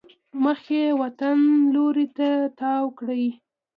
مخ یې وطن لوري ته تاو کړی.